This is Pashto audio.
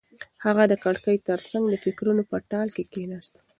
هغه د کړکۍ تر څنګ د فکرونو په ټال کې کېناسته.